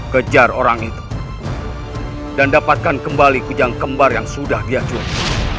kejar orang itu dan dapatkan kembali kujang kembar yang sudah dia cuti